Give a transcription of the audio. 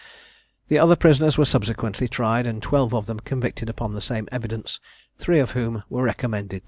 The other prisoners were subsequently tried, and twelve of them convicted upon the same evidence, three of whom were recommended to mercy.